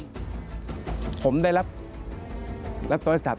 ราบที่๑๕ดูแลพื้นที่จังหวัดชายแดนภาคใต้